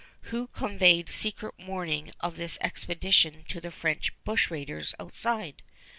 Who conveyed secret warning of this expedition to the French bushraiders outside?